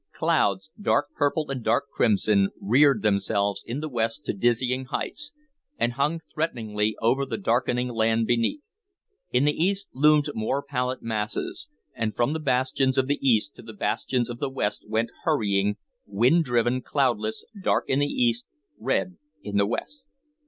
Clouds, dark purple and dark crimson, reared themselves in the west to dizzy heights, and hung threateningly over the darkening land beneath. In the east loomed more pallid masses, and from the bastions of the east to the bastions of the west went hurrying, wind driven cloudless, dark in the east, red in the west.